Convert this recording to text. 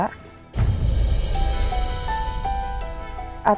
ini udah berapa